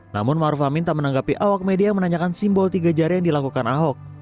namun ⁇ maruf ⁇ amin tak menanggapi awak media yang menanyakan simbol tiga jari yang dilakukan ahok